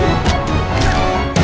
yang lebih baik